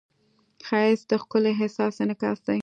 ښایست د ښکلي احساس انعکاس دی